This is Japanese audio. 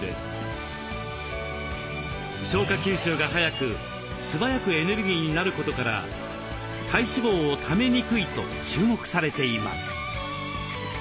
吸収がはやくすばやくエネルギーになることから体脂肪をためにくいと注目されています。